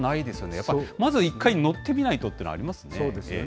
やっぱりまず一回、乗ってみないとっていうのはありますね。